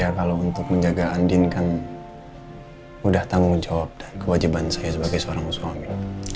ya kalau untuk menjaga andin kan udah tanggung jawab kewajiban saya sebagai seorang suami